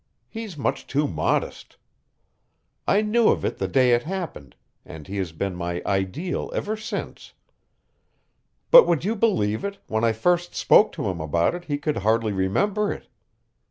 He's much too modest. I knew of it the day it happened, and he has been my ideal ever since. But would you believe it, when I first spoke to him about it he could hardly remember it.